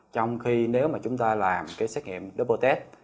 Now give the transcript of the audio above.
trong khi nếu mà chúng ta làm cái xét nghiệm gapo test